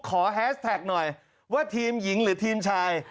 แฮสแท็กหน่อยว่าทีมหญิงหรือทีมชาย